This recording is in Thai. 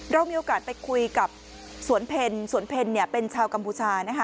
เรามีโอกาสไปคุยกับสวนเพลสวนเพลเป็นชาวกัมพูชานะคะ